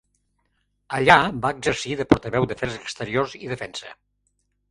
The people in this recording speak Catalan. Allà va exercir de portaveu d'afers exteriors i defensa.